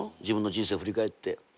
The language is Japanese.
自分の人生を振り返って。